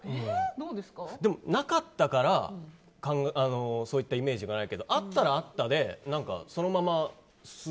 でも、なかったからそういったイメージがないけどあったらあったでそのまま。